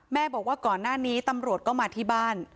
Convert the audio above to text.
บอกว่าก่อนหน้านี้ตำรวจก็มาที่บ้าน